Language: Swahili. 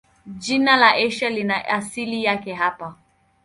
Jina la Asia lina asili yake hapa.